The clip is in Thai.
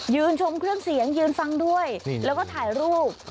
ชมเครื่องเสียงยืนฟังด้วยแล้วก็ถ่ายรูป